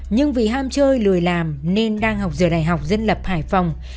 nhưng vì ham chơi lười làm nên đang học giữa đại học dân lập hải phòng